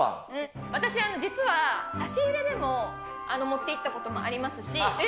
私、実は差し入れでも持っていったこともありますし。